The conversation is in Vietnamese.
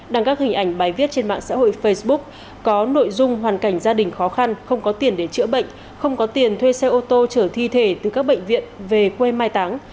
đăng các hình ảnh bài viết trên mạng xã hội facebook có nội dung hoàn cảnh gia đình khó khăn không có tiền để chữa bệnh không có tiền thuê xe ô tô trở thi thể từ các bệnh viện về quê mai táng